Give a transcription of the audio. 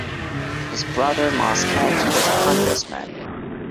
His brother Moss Kent was a Congressman.